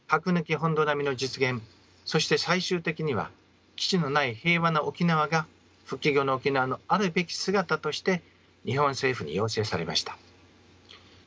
そして最終的には基地のない平和な沖縄が復帰後の沖縄のあるべき姿として日本政府に要請されました。